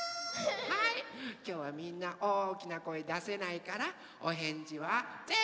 はいきょうはみんなおおきなこえだせないからおへんじはぜんぶ